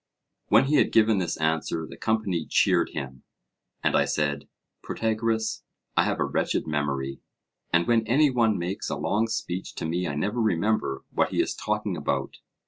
When he had given this answer, the company cheered him. And I said: Protagoras, I have a wretched memory, and when any one makes a long speech to me I never remember what he is talking about.